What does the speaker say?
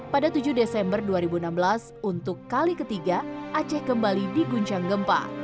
pada tujuh desember dua ribu enam belas untuk kali ketiga aceh kembali diguncang gempa